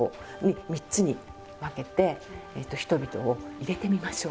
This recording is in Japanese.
３つに分けて人々を入れてみましょう。